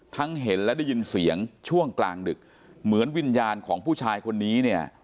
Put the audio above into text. เห็นและได้ยินเสียงช่วงกลางดึกเหมือนวิญญาณของผู้ชายคนนี้เนี่ย